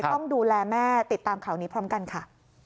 ต้องดูแลแม่ติดตามข่าวนี้พร้อมกันค่ะ